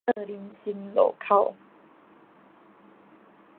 青島林森路口